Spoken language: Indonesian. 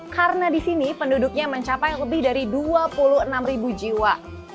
karena di sini penduduknya mencapai lebih dari dua puluh enam jiwa